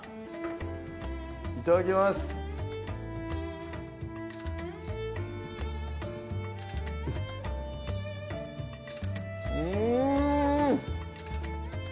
いただきますうん！